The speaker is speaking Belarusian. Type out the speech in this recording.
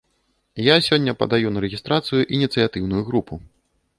Я сёння падаю на рэгістрацыю ініцыятыўную групу.